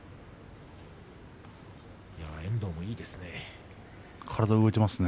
遠藤もいいですね。